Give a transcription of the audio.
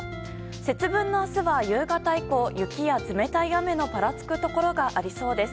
節分の明日は夕方以降雪や冷たい雨のぱらつくところがありそうです。